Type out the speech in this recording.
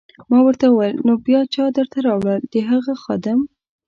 ما ورته وویل: نو بیا چا درته راوړل؟ د هغه خادم.